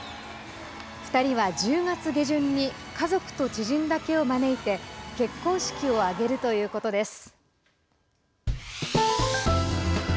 ２人は、１０月下旬に家族と知人だけを招いて結婚式を挙げるということです。